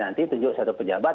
nanti tunjuk satu pejabat